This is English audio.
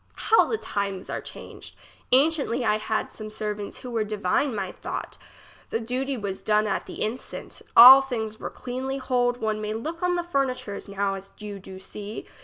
How the times are changed ! Anciently I had some servants who were divine my thought. The duty was done at the instant, all things were cleanly hold one may look on the fur nitures now as you do see.